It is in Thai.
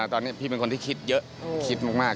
ตอนนี้พี่เป็นคนที่คิดเยอะ